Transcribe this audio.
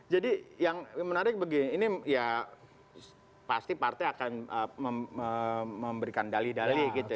jadi yang menarik begini pasti partai akan memberikan dalih dalih